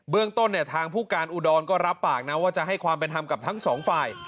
เรื่องต้นเนี่ยทางผู้การอุดรก็รับปากนะว่าจะให้ความเป็นธรรมกับทั้งสองฝ่าย